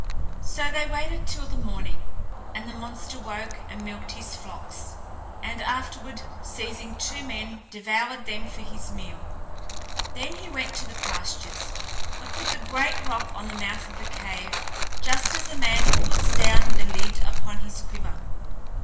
So they waited till the morning. And the monster woke and milked his flocks, and afterward, seizing two men, devoured them for his meal. Then he went to the pastures, but put the great rock on the mouth of the cave, just as a man puts down the lid upon his quiver.